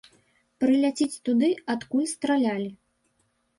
Прыляціць туды, адкуль стралялі.